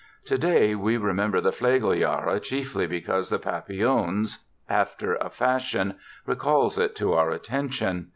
Today we remember the "Flegeljahre" chiefly because the "Papillons", after a fashion, recalls it to our attention.